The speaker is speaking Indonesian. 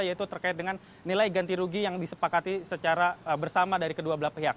yaitu terkait dengan nilai ganti rugi yang disepakati secara bersama dari kedua belah pihak